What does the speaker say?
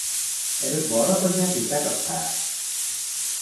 ଏବେ ବର କନ୍ୟା ବିଦା କଥା!